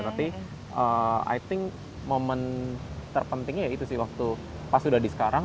tapi i think momen terpentingnya ya itu sih waktu pas sudah di sekarang